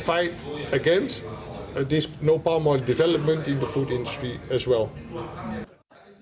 dan kita akan berjuang melawan pembangunan sawit tidak ada di industri makanan juga